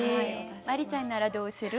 真里ちゃんならどうする？